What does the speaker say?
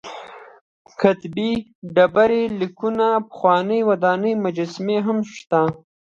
کتیبې ډبر لیکونه پخوانۍ ودانۍ مجسمې هم شته.